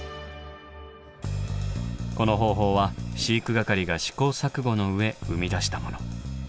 この方法は飼育係が試行錯誤の上生み出したもの。